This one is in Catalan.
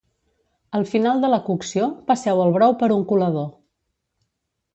Al final de la cocció passeu el brou per un colador